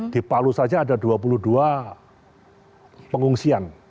di palu saja ada dua puluh dua pengungsian